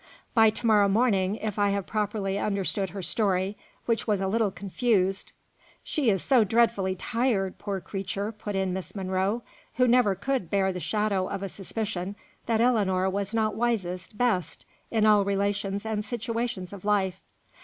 By to morrow morning, if I have properly understood her story, which was a little confused " "She is so dreadfully tired, poor creature," put in Miss Monro, who never could bear the shadow of a suspicion that Ellinor was not wisest, best, in all relations and situations of life.